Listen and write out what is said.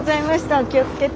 お気をつけて。